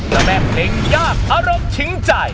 และแม่เพลงยากอารมณ์ชิงใจ